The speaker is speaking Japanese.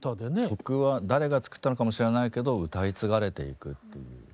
曲は誰が作ったのかも知らないけど歌い継がれていくっていう。